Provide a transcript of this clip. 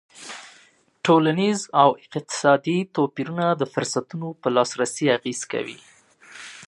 ټولنیز او اقتصادي توپیرونه د فرصتونو پر لاسرسی اغېز کوي.